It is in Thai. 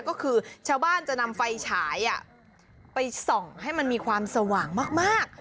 ก็คือชาวบ้านจะนำไฟฉายไปส่องให้มันมีความสว่างมาก